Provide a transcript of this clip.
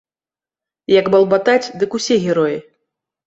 Як балбатаць, дык усе героі.